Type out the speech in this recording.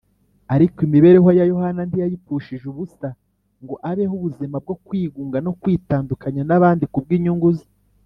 Ariko imibereho ya Yohana ntiyayipfushije ubusa, ngo abeho ubuzima bwo kwigunga no kwitandukanya n’abandi kubw’inyungu ze